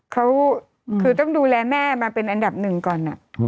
เขาคือต้องดูแลแม่มาเป็นอันดับหนึ่งก่อน